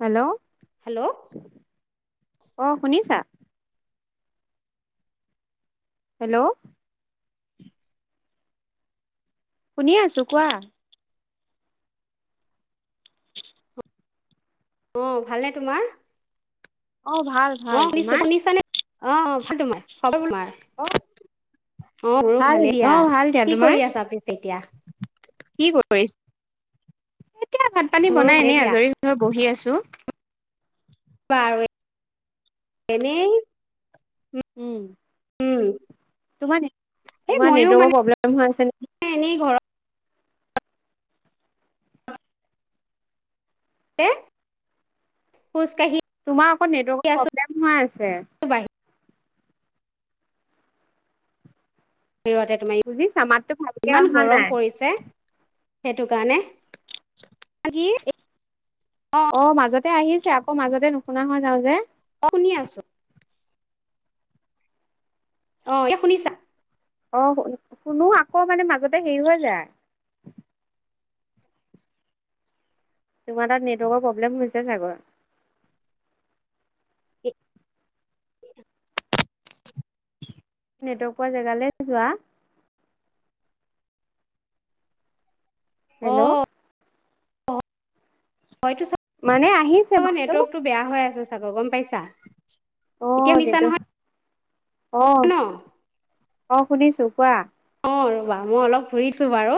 Hello hello অহ, শুনিছা? Hello শুনি আছো কোৱা। অহ, ভালনে তোমাৰ? অ ভাল ভাল অহ শুনিছোঁ। তোমাৰ শুনিছানে, অহ ভাল তোমাৰ? [unintelligible] তোমাৰ। অ অহ, মোৰ ভাল ভালেই অ দয়া। ভাল দিয়া কি তোমাৰ কৰি আছা পিছে এতিয়া? কৰিছ এতিয়া ভাত-পানী মোৰো বনাই ভালে এনে দিয়া আজৰি হৈ বহি আছো। তু বাৰু, এনেই। উম। উম। তোমাৰ নি এই তোমাৰ ময়ো নেটৱৰ্কৰ মানে প্ৰব্লেম হৈ আছে নি এনেই ঘৰতে এ তোমাৰ আকৌ নেটৱৰ্কৰ প্ৰব্লেম হৈ আছে। বাহিৰতে তোমাৰ বুজিছা, মাততো ভালকে ইমান অহা গৰম নাই। পৰিছে সেইটো কাৰণে [unintelligible] কি? অঁ অ' মাজতে আহিছে, আকৌ মাজতে নুশুনা হৈ যাওঁ যে। অ'শুনি আছোঁ। অ' এ শুনিছা? অ' শু শুনো আকৌ মানে মাজতে হেৰি হৈ যায়। তোমাৰ তাত নেটৱৰ্কৰ প্ৰব্লেম হৈছে ছাগৈ? নেটৱৰ্ক পোৱা জেগালৈ যোৱা। হেল্ল' অঁ হয়তো মানে আহিছে মাতটো নেটৱৰ্কটো বেয়া হৈ আছে। চাব গম পাইছা? অ এতিয়া নেটৱৰ্ক মিছা নহয়। অ', ন অ' শুনিছোঁ কোৱা। অ' ৰবা মই অলপ ফুৰিছো বাৰু।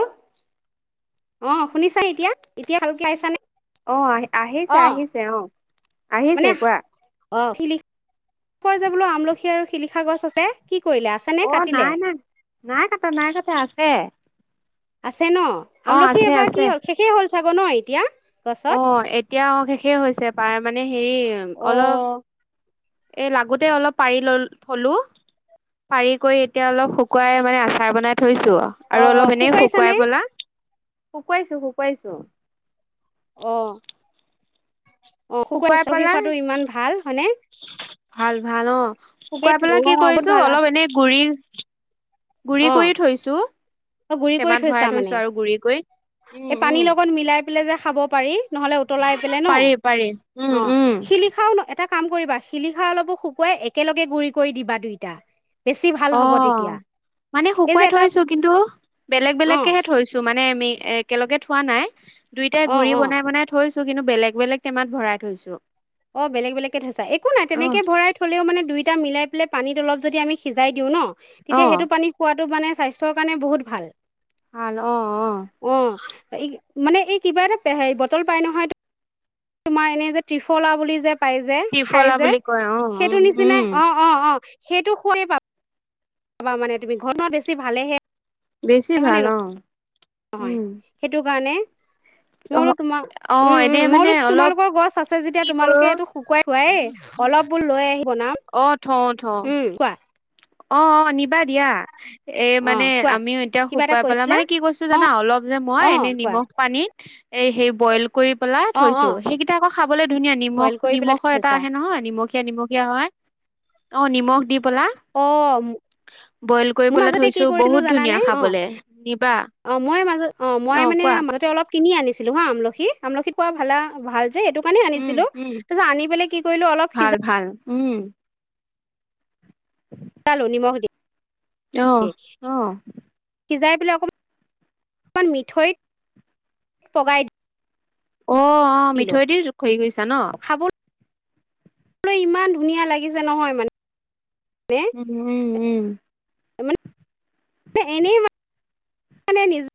অ' শুনিছা এতিয়া? এতিয়া ভালকে আহিছানে? অ' আহি। আহিছে অ আহিছে অ'- মানে আহিছে কোৱা। অ শিলি যে বোলো আমলখি আৰু শিলিখা গছ আছে! কি কৰিলে আছে নে অ কাটিলে নাই নাই। নাই কাটা, নাই কাটা, আছে। আছ। আছে ন? অ', আমলখি আছে এইবাৰ কি আছে হল? শেষেই হ'ল। চাগ' ন এতিয়া? গছত অ' এতিয়া অ' শেষেই হৈছে পায় মানে হেৰি অ অলপ। এ লাগোতে অলপ পাৰি লল থলোঁ। পাৰি কৰি এতিয়া অলপ শুকুৱাই মানে আচাৰ বনাই থ থৈছো। অ আৰু অ অলপ এনেই শুকুৱাইছানে শুকুৱাই পেলাই শুকুৱাইছোঁ শুকুৱাইছোঁ। অ'। অ শুকুৱাই আমলখি খোৱাটো পেলাই- ইমান ভাল হয়নে ভাল ভাল অ'। শুকুৱাই সেইটো পেলাই অ কি বহুত কৰিছোঁ। ভাল অলপ এনে গুৰি গুৰি অ কৰি থৈছোঁ। অ গুৰি কৰি থৈছা মানে। উম, এই পানীৰ উম। লগত মিলাই পেলাই য। যে খাব পাৰি। নহ'লে উতলাই পেলে ন? পাৰি পাৰি উম অ' উম শিলিখাও ন এটা কাম কৰিবা শিলিখা অলপো শুকুৱাই একেলগে গুৰি কৰি দিবা দুইটা। বেছি ভাল অ হ'ব তেতিয়া। মানে এই শুকুৱাই যে এটা থৈছো কিন্তু বেলেগ অ বেলেগকেহে থৈছো মানে আমি এ একেলগ। [unintelligible] থোৱা নাই। দুইটাই অ গুৰি অ বনাই বনাই থৈছো। কিন্তু বেলেগ বেলেগ টেমাত ভৰাই থৈছো। অ বেলেগ বেলেগকে থৈছা। একো নাই অ তেনেকে ভৰাই থলেও মানে দুইটা মিলাই পেলাই। পানীত অলপ যদি আমি সিজাই দিওঁ ন। অ তেতিয়া সেইটো পানী খোৱাটো মানে স্বাস্থ্যৰ কাৰণে বহুত ভাল। ভাল। অ অ। এই মানে এই কিবা এটা হে বটল পাই নহয় তা তোমাৰ এনে যে ত্ৰিফলা বুলি যে। পাই যে খাই ত্ৰিফলা যে বুলি কয় অ সেইটো উম উম নিচিনাাই অ অ অ। সেইটো শুয়ে পাব। ক মানে তুমি ঘৰত বেছি ভালেহে। বেছি হয়নে ভাল অ উম। অ ময়ো তোমাৰ। অ উম এনে উম। মই মানে বোলো অলপ তোমালোকৰ গছ আছে যেতিয়া কি তোমালোকে কৰো এইটো শুকুৱাই খুৱায়ে। অলপ বুলো লৈ আহি বনাম। অ থওঁ থওঁ। উম, কোৱা অ অ নিবা দিয়া অ। এই মানে অ', কোৱা আমিও এতিয়া কিবা এটা শুকুৱাই পেলাই, কৈছিলা মানে কি কৈছো জানা অলপ যে মই অ', এনেই কোৱা নিমখ পানীত এ সেই বইল কৰি পেলাই অ', থৈছো। অ', সেইকেইটা আকৌ খাবলৈ ধুনীয়া বইল নিমখ কৰি পেলাই নিমখৰ এটা থৈছা আহে নহয় নিমখীয়া নিমখীয়া হয়। অ নিমখ দি পেলাই। অ, মোৰ পেলাই মাজতে কি থৈছো কৰিছিলো বহুত ধুনীয়া জানানে। অ, খাবলে নিবা অ মই মাজ অ মই মানে মাজতে অলপ। কিনি আনিছিলো হা আমলখি আমলখিত পোৱা ভালা ভাল সেইটো কাৰণে উম আনিছিলো উম তাৰপিছত আনি পেলাই কি কৰিলো অলপ ভাল সিজাই ভাল উম খালো নিমখ দি। অহ অহ। সিজাই পেলাই অকণমান অকমান মিঠৈত পগাই দিওঁ। অ অ মিঠৈ দি খৰি গৈছে। ন? বলৈ ইমান ধুনীয়া লাগিছে নহয় মানে। উম উম উম এনেই। মানে নিজে।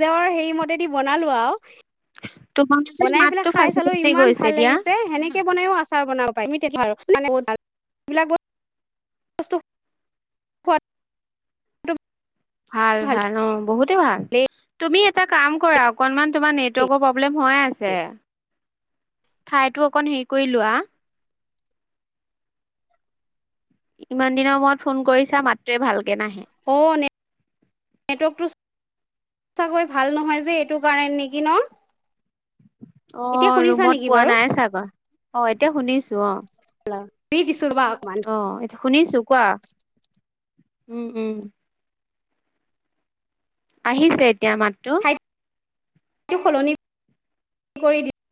জৰ সেই মতেদি বনালো আৰু। তোমাৰ যে বনাই পেলাই মাতটো খাই ফাঁচি চালো ফাচি ইমান গৈছে ভাল দিয়া লাগিছে সেনেকে বনাইও আচাৰ বনাব। [inaudible] ভাল ভাল অ বহুত। ভালেই তুমি এটা কাম কৰা অকনমান তোমাৰ নেটৱৰ্কৰ প্ৰব্লেম হৈয়ে আছে। ঠাইতো অকণ হেৰি কৰি লোৱা। ইমান দিনৰ মূৰত ফোন কৰিছা মাতটোৱে ভাল। অ নে নেটৱৰ্কটো। সঁচাকৈ ভাল নহয় যে এইটো কাৰণ নেকি ন। অ এতিয়া শুনিছা ৰুমত নেকি পোৱা বাৰু নাই চাগৈ। অ এতিয়া শুনিছো অ। কৰি দিছো ৰবা অকমান অহ, এতি শুনিছো। কোৱা। উম উম। আহিছে এ। এতিয়া মাতটো। ঠাইটো সলনি কৰি দিম।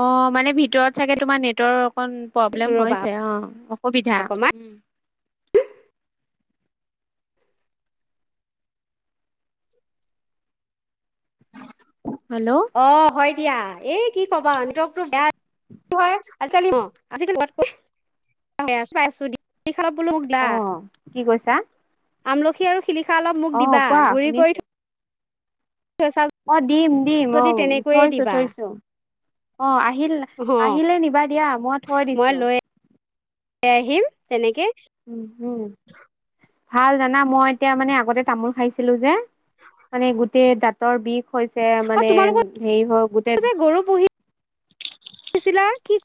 অ মানে ভিতৰত চাগে তোমাৰ নেটৱৰ্ক। অকণ দিছো প্ৰব্লেম ৰবা হৈছে অ অসুবিধা অকমান উম। হেল্ল' অ হয়। এতিয়া। এই কি ক'বা নেটৱৰ্কটো বেয়া। কি হয় আজি-কালি আজিম সে পাই আছো। নেট ৱৰ্ক তো বেয়া। চা। আমলখি আৰু। শিলিখা অলপ মোক দিবা। গুৰি শুনিছো কৰি থ অ দিম দিম। অ, যদি তেনেকৈয়ে থৈছো দিবা থৈছো। অ আ আহিল। অ আহিলে নিবা দিয়া মই থৈ মই দিছো। লৈ আহিম তেনেকে। উম উম ভাল জানা মই এতিয়া মানে আগতে তামোল খাইছিলো যে মানে গোটেই দাঁতৰ বিষ। হৈছে অ মানে তোমালোকৰ হেৰি হওক গোটেই। যে গৰু পুহিছিলা কি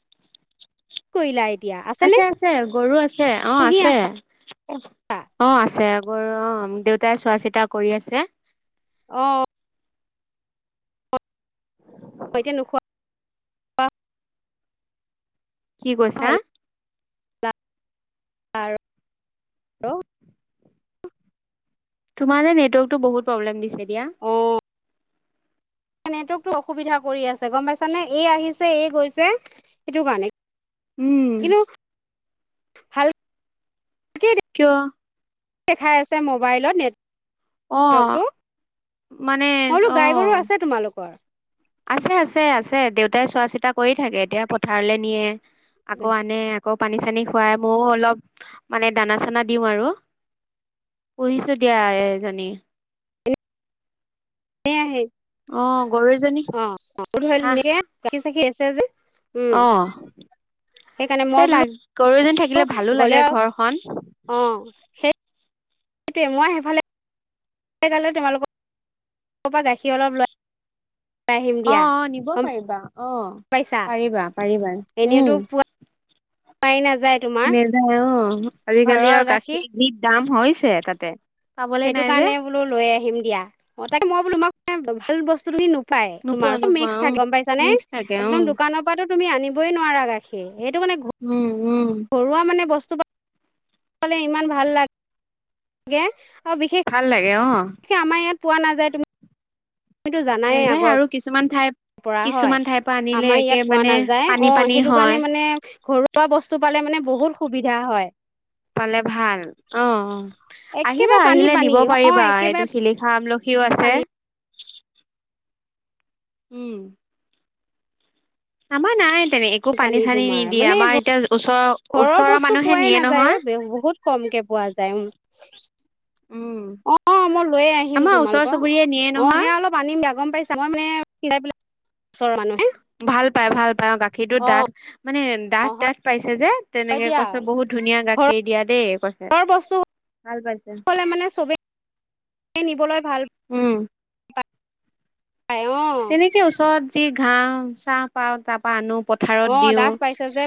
কৰিলা? এতিয়া আছেনে আছে আছে গৰু আছে। অ পুহি আছে। আছা অ আছে। গৰু অ দেউতাই চোৱা চিতা কৰি আছে। অ। [inaudible] এতিয়া নোখোৱা? কি কৈছা? [unintelligible] তোমাৰ যে নেটৱৰ্কটো বহুত প্ৰব্লেম দিছে দিয়া। অ নেটৱৰ্কটো অসুবিধা কৰি আছে গম পাইছা নে? এই আহিছে এই গৈছে সেইটো কাৰণে। উম কিন্তু ভাল কিয়? দেখাই আছে মোবাইলত নেট। অহ মানে মই বোলো গাই অহ। গৰু আছে তোমালোকৰ আছে আছে আছে দেউতাই চোৱা-চিতা কৰি থাকে এতিয়া পথাৰলৈ নিয়ে। আকৌ আনে। আকৌ পানী-চানী খুৱাই ময়ো অলপ মানে দানা-চানা দিওঁ আৰু। পঢ়িছো দিয়া আইজনী। সেইয়াহে। অ। গৰু এজনী অ অ। হা [unintelligible] কি ছেকি আছা যে? উম অ সেইকাৰণে মই সেই বোলো লাগ। গৰু এজনী থাকিলে ভালো গ'লে লাগে ঘৰখন। অ সেইটোৱে মই সেইফালে সেই গালে তোমালোকৰ। ক পা গাখীৰ অলপ লয় অ অ নিব পাৰিবা। অ পাইছা পাৰিবা পাৰিবা এনেইতো উম। [unintelligible] নেযায় অ'। আজিকালি আৰু গাখীৰ যি দাম। হৈছে তাতে। পাবলে সেইটো নাই যে কাৰণে বোলো লৈয়ে আহিম দিয়া তাকে মই বুলু মই মানে ভাল বস্তু কিনো পায়। নোপোৱা তোমাৰ চব নোপোৱা মিক্স উম থাক গম পাইছা নে? মিক্স থাকে একদম উম দোকানৰ পৰাটো। তুমি আনিবই নোৱাৰা গাখী এইটো মানে ঘো উম উম ঘৰুৱা মানে। বস্তু পালে ইমান ভাল লা গে ভাল লাগে অ। [unintelligible] আমাৰ ইয়াত পোৱা নাযায় তুমি তুমিতো জানাইে নেযায় আগৰ আৰু কিছুমান ঠাই পৰা। হয়, কিছুমান ঠাইৰ পৰা আনিলে আমাৰ একে ইয়াত পোৱা মানে নাযায়। পানী অ পানী সেইটো হয় কাৰণে মানে ঘৰুৱা বস্তু পালে মানে বহুত সুবিধা হয়। পালে ভাল অ অ একেবাৰে আহিবা পানী আহিলে পানী নিব অ পাৰিবা এইটো একেবাৰে শিলিখা আমল সিও আছে। পানী উম আমাৰ নাই। তেনে একো পানী পানী-চানী তোমাৰ নিদিয়ে মানে আমাৰ এতিয়া ওচৰৰ- ঘৰৰ বস্তু মানুহে পোৱাই নিয়ে নাযায় নহয়। ঐ, বহুত কমকে পোৱা যায় উম। অ মই লৈয়ে আহিম আমাৰ ওচৰ তোমালোকৰ চুবুৰীয়ে নিয়ে অ নহয় সেয়া অলপ আনিম দিয়া গম পাইছা মই মানে সিজাই পেলাই ওচৰৰ মানুহ ভাল পায়, ভাল পায় অ গাখীৰটো ডাঠ মানে ডাঠ-ডাঠ পাইছে- পাইছে যে। হয় তেনেকে দিয়া কৈছে -বহুত ধুনীয়া গাখীৰ দিয়া দেই। কৈছে, ঘৰৰ বস্তু ভাল [unintelligible] হ'লে মানে চবেই নিবলৈ ভাল উম পা তেনেকে ওচৰত যি [unintelligible] তাৰ পৰা আনো। পথাৰত অ দিওঁ ডাঠ পাইছে যে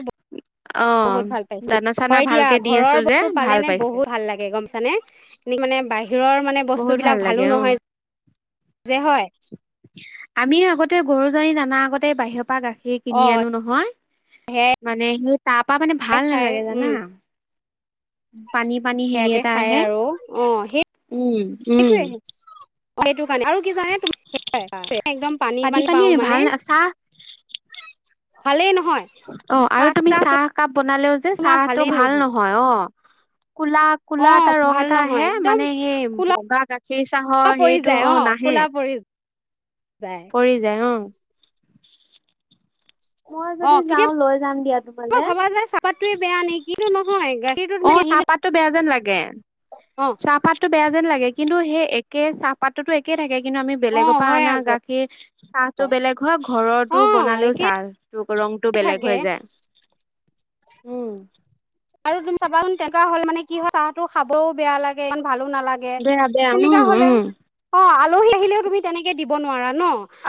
অ বহুত ভাল পাইছে, দানা চানা হয় দিয়া ভালকে দি আছো ঘৰৰ যে বস্তু পালে ভাল নে পাইছে বহুত ভাল লাগে গম পাইছানে? এনে মানে বাহিৰৰ মানে- বহুত বস্তুবিলাক ভাল ভালো লাগে অ নহয় যে হয়। আমি আগতে গৰুজনী দানা আগতে বাহিয়প পা গাখীৰ কিনি অ আনো নহয় সেয়াই মানে সিট- তাৰপা মানে ভাল খাই নালাগে উম জানা? পানী পানী সেয়াকে খাই আৰু অ সে উম উম। অ সেইটো কাৰণে আৰু কি জানানে- একদম পানী, পানী পাওঁ মানে। ভাল না চাহ ভালেই ন অ' আৰু তুমি চাহ একাপ বনালেও যে তোমাৰ চাহটো ভালেই ভাল নহয় অ। ক'লো, অ ক'লো এটা ৰং ভাল এটা নহয় আহে একদম মানে সেই বগা গাখীৰ ক'লা চাহৰ পৰি সেইটো যায় অ নাহে। ক'লা পৰি যায় পৰি যায় অ। [unintelligible] মই অ যদি যাওঁ কেতিয়াবা লৈ যাম দিয়া তোমালে, ভাবা যায় চাহপাতটোৱে চু বেয়া চু নেকি কিন্তু চু নহয় গাখীৰটো অ তুমি আহিলে চাহপাতটো বেয়া যেন লাগে। অ চাহপাতটো বেয়া যে যেন লাগে কিন্তু সেই একে চাহপাততোটো একে থাকে। কিন্তু আমি অ বেলেগৰ পৰা হয় আনা আকৌ গাখীৰ চাহটো বেলেগ হয় অ ঘৰৰটো বনালেও একে চাহৰ ৰংটো বেলেগ থাকে হৈ যায়। উম। আৰু তুমি চাবাচোন তেনেকুৱা হ'ল মানে কি হয় চাহতো খাবও বেয়া লাগে। ভালো নালাগে বেয়া বেয়া তেনেকুৱা উম হ'লে, উম অ আলহী আহিলেও তুমি তেনেকে- দিব নোৱাৰাত-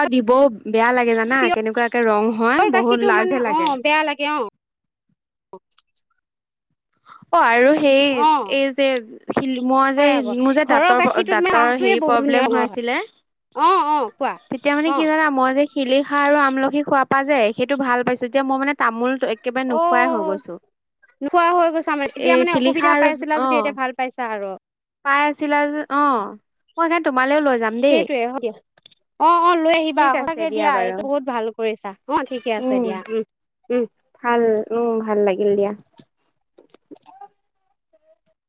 আৰু দিবও বেয়া লাগে জানা, কেনেকুৱা কে ৰং ঘৰৰ হয় গাখীৰটো বহুত মানে লাজহে অ লাগে। বেয়া লাগে অ অ আৰু সেই অ এই যে সিল মই যে, হয় আকৌ মোৰ যে ঘৰৰ দাঁতৰ গাখীৰটোত মানে দাঁতৰ চাহটোৱে হেৰি বহুত ধুনীয়া প্ৰব্লেম হৈ ৰঙৰ আছিলে হয় অ অ কোৱা তেতিয়া মানে অ কি জানা মই যে- শিলিখা আৰু আমলখি খোৱা পৰা যে সেইটো ভাল পাইছো এতিয়া মই মানে- তামোল ত একেবাৰে নোখোৱাই হৈ গৈছো। খোৱা হৈ গৈছা মানে, এ তেতিয়া মানে শিলিখা অসুবিধা আৰু পাইছিলা যদি এতিয়া ভাল পাইছা আৰু? ছিলা যে অ মই সেইকাৰণে - টোপ সেইটোয়ে হ'ব দিয়া, অ-অ লৈ আহিবা ঠিক আছে সচাকে দিয়া বাৰু এইটো বহুত ভাল কৰিছা অ ঠিকে আছে উম দিয়া উম্। ভাল উম্ ভাল লাগিল দিয়া।